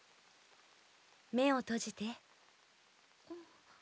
目を閉じて。